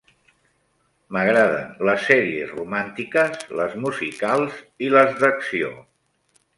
M'agraden les sèries romàntiques, les musicals i les d'acció.